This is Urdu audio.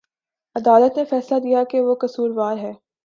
عدالت نے فیصلہ دیا کہ وہ قصوروار ہے